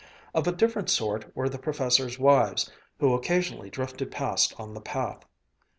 Of a different sort were the professors' wives, who occasionally drifted past on the path.